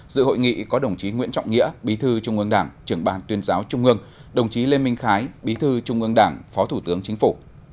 dự hội nghị có đồng chí nguyễn trọng nghĩa bí thư trung ương đảng trưởng ban tuyên giáo trung ương đồng chí lê minh khái bí thư trung ương đảng phó thủ tướng chính phủ